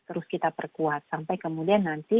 terus kita perkuat sampai kemudian nanti